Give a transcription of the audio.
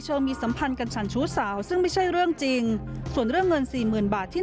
ทำให้ใครไม่จะนอนเขา